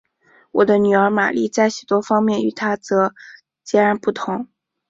我的女儿玛丽在许多方面与她则截然不同。